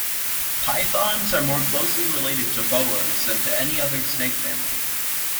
Pythons are more closely related to boas than to any other snake family.